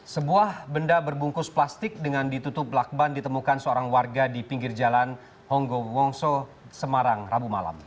sebuah benda berbungkus plastik dengan ditutup lakban ditemukan seorang warga di pinggir jalan honggo wongso semarang rabu malam